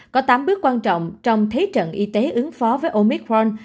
có tám bước quan trọng trong thế trận y tế ứng phó với omicron